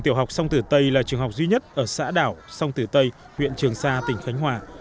tiểu học sông tử tây là trường học duy nhất ở xã đảo sông tử tây huyện trường sa tỉnh khánh hòa